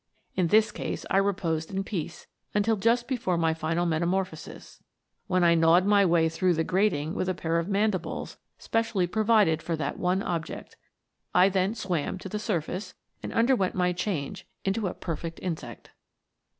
In this case I reposed in peace until just before 152 METAMOBPHOSES. my final metamorphosis, when I gnawed my way through the grating with a pair of mandibles spe cially provided for that one object. I then swam to the surface, and underwent my change into a perfect insect."